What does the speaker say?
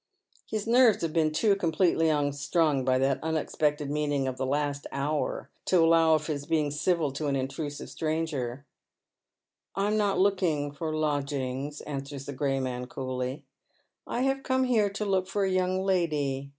His nerves have been too completely unstrung by that_ un expected meeting of the last hour to allow of his being civil to an intrusive stranger. " I am not looking for lodgings," answers the gray man coolly, " I have come here to look for a young lady.